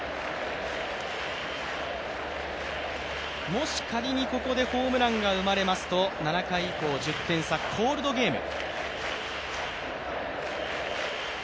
もし仮にここでホームランが生まれますと、７回以降１０点差、コールドゲーム。